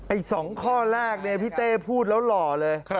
ไอ้สองข้อแรกพี่เต้พูดแล้วหล่อเลย